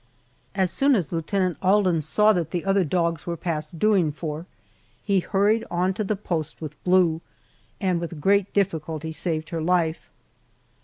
As soon as Lieutenant Alden saw that the other dogs were past doing for, he hurried on to the post with Blue, and with great difficulty saved her life.